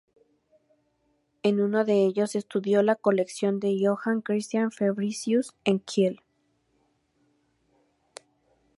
En uno de ellos estudió la colección de Johan Christian Fabricius en Kiel.